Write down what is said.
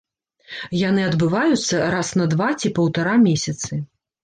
Яны адбываюцца раз на два ці паўтара месяцы.